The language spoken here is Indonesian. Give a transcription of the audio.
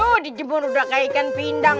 oh dijemur udah kayak ikan pindang